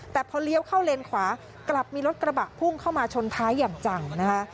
แต่พอเลี้ยวเข้าเลนขวากลับมีรถกระบะพุ่งเข้ามาชนท้ายอย่างจังนะคะ